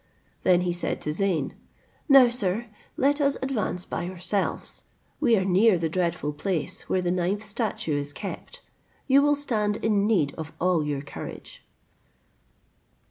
Then he said to Zeyn, "Now, sir, let us advance by ourselves. We are near the dreadful place, where the ninth statue is kept. You will stand in need of all your courage."